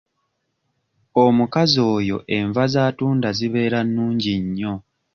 Omukazi oyo enva z'atunda zibeera nnungi nnyo.